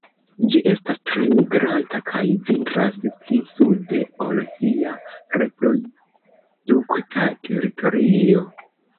Ĝi estas tre migranta kaj vintras pli sude ol sia reprodukta teritorio.